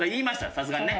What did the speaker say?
さすがにね。